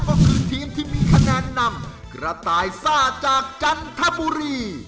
ก็คือทีมที่มีคะแนนนำกระต่ายซ่าจากจันทบุรี